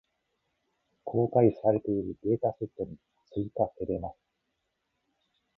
公開されているデータセットに追加せれます。